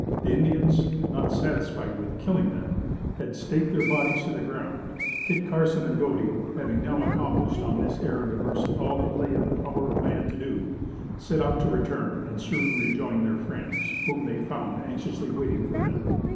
The Indians, not satisfied with killing them, had staked their bodies to the ground. Kit Carson and Godey having now accomplished, on this errand of mercy, all that lay in the power of man to do, set out to return and soon rejoined their friends, whom they found anxiously waiting for them.